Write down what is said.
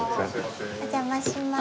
お邪魔しまーす。